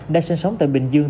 đã sinh sống tại bình dương